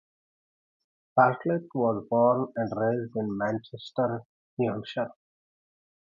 Bartlet was born and raised in Manchester, New Hampshire.